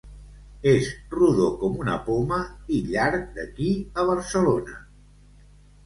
És rodó com una poma i llarg d'aquí a Barcelona.